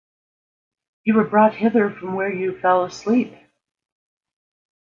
You were brought hither from where you fell asleep.